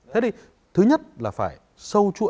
thế thì thứ nhất là phải sâu chuỗi